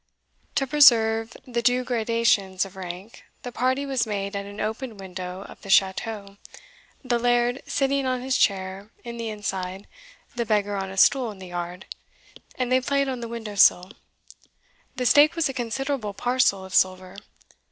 To preserve the due gradations of rank, the party was made at an open window of the chateau, the laird sitting on his chair in the inside, the beggar on a stool in the yard; and they played on the window sill. The stake was a considerable parcel of silver.